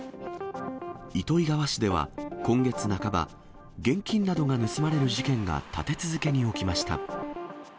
糸魚川市では、今月半ば、現金などが盗まれる事件が立て続けに起きました。